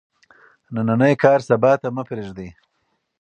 نننی کار سبا ته مه پریږدئ.